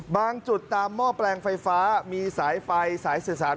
บางจุดตามหม้อแปลงไฟฟ้ามีสายไฟสายสื่อสาร